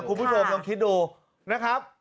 คุณผู้ชมลองคิดดูนะครับ